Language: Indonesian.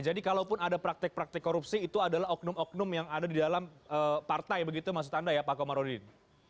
jadi kalau pun ada praktek praktek korupsi itu adalah oknum oknum yang ada di dalam partai begitu maksud anda ya pak komarudin